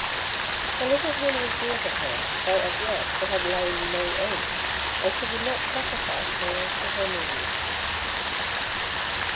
The little hen was dear to her, though as yet it had lain no eggs, and she would not sacrifice her to her needs.